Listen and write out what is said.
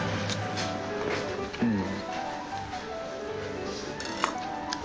うん。